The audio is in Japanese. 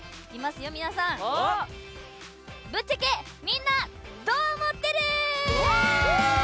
「ぶっちゃけ、みんなどう思ってる！？」。